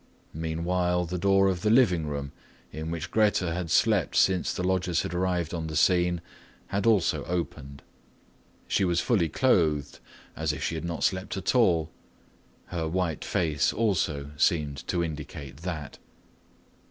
Meanwhile, the door of the living room, in which Grete had slept since the lodgers had arrived on the scene, had also opened. She was fully clothed, as if she had not slept at all; her white face also seem to indicate that.